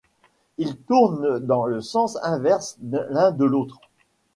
Ils tournent dans le sens inverse l'un de l'autre.